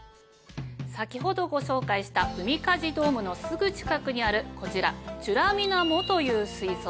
先ほどご紹介した「うみかじドーム」のすぐ近くにあるこちら「ちゅらみなも」という水槽です。